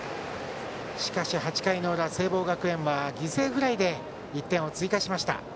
しかし８回の裏、聖望学園は犠牲フライで１点を追加しました。